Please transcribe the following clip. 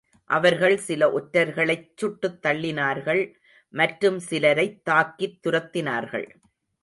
அவர்கள் சில ஒற்றர்களைச் சுட்டுத்தள்ளினார்கள் மற்றும் சிலரைத் தாக்கித்துரத்தினார்கள்.